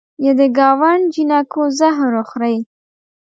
یه د ګاونډ جینکو زهر وخورئ